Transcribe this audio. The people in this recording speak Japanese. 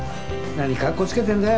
何かっこつけてんだよ！